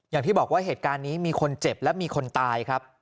อย่างที่บอกว่าเหตุการณ์นี้มีคนเจ็บและมีคนตายครับ